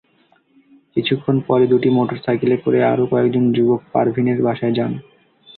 কিছুক্ষণ পরে দুটি মোটরসাইকেলে করে আরও কয়েকজন যুবক পারভীনের বাসায় যান।